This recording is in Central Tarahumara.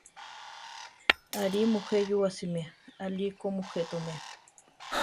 Aʼrí muje yúa siméa, aʼlí ko mujé toméa.